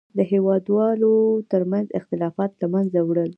د هېوادوالو تر منځ اختلافاتو له منځه وړل.